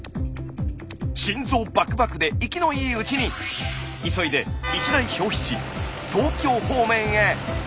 心臓バクバクで生きのいいうちに急いで一大消費地東京方面へ。